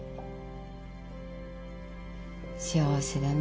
幸せだね。